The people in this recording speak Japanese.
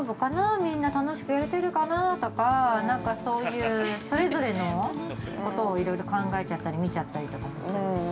みんな楽しくやれてるかな？とかそういう、それぞれのことをいろいろ考えちゃったり見ちゃったりとかもするし。